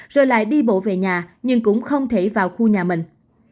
rồi lại đi bộ về nhà nhưng cũng không thể vào khu nhà mình